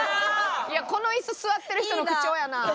いやこの椅子座ってる人の口調やな。